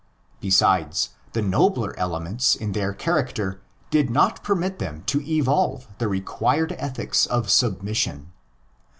Besides, the nobler elements in their character did not permit them to evolve the required ethics of submission.